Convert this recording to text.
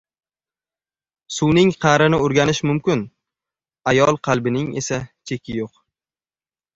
• Suvning qa’rini o‘rganish mumkin, ayol qalbining esa cheki yo‘q.